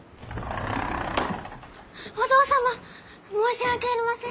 お父様申し訳ありません。